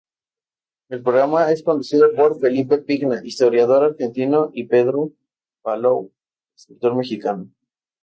El programa es conducido por Felipe Pigna, historiador argentino, y Pedro Palou, escritor mexicano.